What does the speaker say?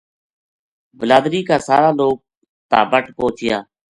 بلادری کا سارا لوک تابٹ پوہچیا۔